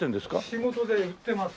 仕事で売ってます。